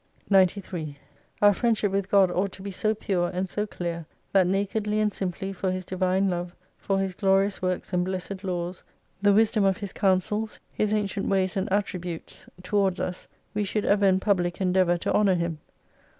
93 Our friendship with God ought to be so pure and so clear, that nakedly and simply for His Divine Love, for His glorious works, and blessed laws, the wisdom of His counsels, His ancient ways and attributes towards 31* us, we should ever in public endeavour to honour Him.